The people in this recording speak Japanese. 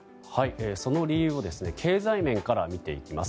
その理由を経済面からみていきます。